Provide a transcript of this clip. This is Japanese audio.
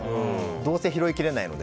どうせ拾いきれないので。